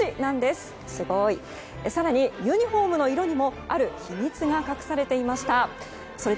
すごい！更にユニホームの色にもある秘密が隠されていました。